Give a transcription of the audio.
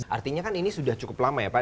artinya kan ini sudah cukup lama ya pak